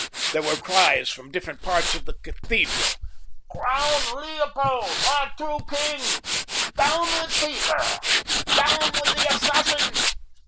There were cries from different parts of the cathedral of: "Crown Leopold, our true king! Down with Peter! Down with the assassin!"